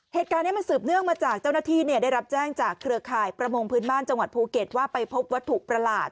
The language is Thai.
เหตุการณ์นี้มันสืบเนื่องมาจากเจ้าหน้าที่ได้รับแจ้งจากเครือข่ายประมงพื้นบ้านจังหวัดภูเก็ตว่าไปพบวัตถุประหลาด